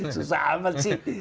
susah amat sih